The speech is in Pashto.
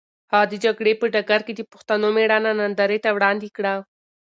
هغه د جګړې په ډګر کې د پښتنو مېړانه نندارې ته وړاندې کړه.